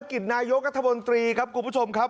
บัจกิจนายกรรธบนตรีครับครับคุณผู้ชมครับ